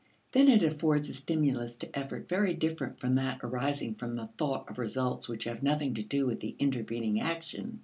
Then it affords a stimulus to effort very different from that arising from the thought of results which have nothing to do with the intervening action.